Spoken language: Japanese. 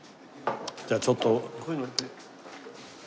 じゃあちょっと。